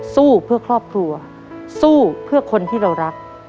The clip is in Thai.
สู้เพื่อครอบครัวสู้เพื่อคนที่เรารัก